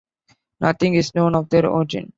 Nothing is known of their origin.